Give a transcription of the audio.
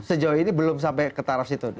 sejauh ini belum sampai ke taraf itu